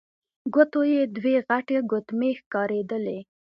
ګوتو يې دوې غټې ګوتمۍ ښکارېدلې.